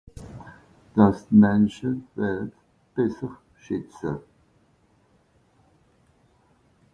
Dàss d'Mensche d'Welt besser schìtze.